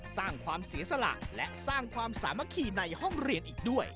สร้างความเสียสละและสร้างความสามัคคีในห้องเรียนอีกด้วย